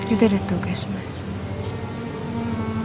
itu ada tugas mas